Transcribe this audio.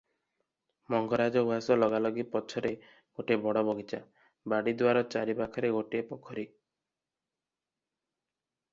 ମଙ୍ଗରାଜ ଉଆସ ଲଗାଲଗି ପଛରେ ଗୋଟିଏ ବଡ଼ ବଗିଚା, ବାଡ଼ିଦୁଆର ଚାରି ପାଖରେ ଗୋଟିଏ, ପୋଖରୀ